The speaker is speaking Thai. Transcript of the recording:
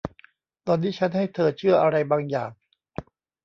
ตอนนี้ชั้นให้เธอเชื่ออะไรบางอย่าง